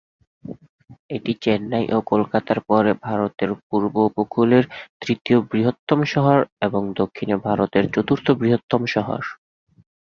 এটি চেন্নাই ও কলকাতার পরে ভারতের পূর্ব উপকূলের তৃতীয় বৃহত্তম শহর এবং দক্ষিণ ভারতের চতুর্থ বৃহত্তম শহর।